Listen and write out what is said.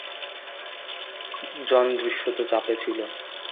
জন দৃশ্যত চাপে ছিল।